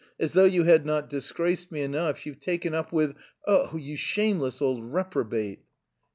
"As though you had not disgraced me enough, you've taken up with... oh, you shameless old reprobate!"